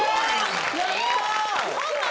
やった！